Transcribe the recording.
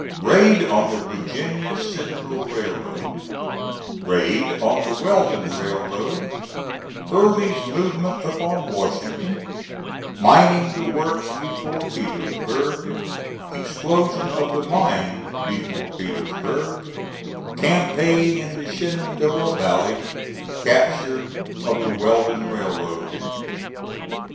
RAID ON THE VIRGINIA CENTRAL RAILROAD RAID ON THE WELDON RAILROAD EARLY 'S MOVEMENT UPON WASHINGTON MINING THE WORKS BEFORE PETERSBURG EXPLOSION OF THE MINE BEFORE PETERSBURG CAMPAIGN IN THE SHENANDOAH VALLEY CAPTURE OF THE WELDON RAILROAD.